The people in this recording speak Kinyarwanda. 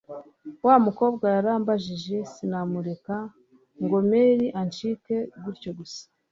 wumukobwa yarambabaje sinamureka Ngomeri ancike gutyo gusa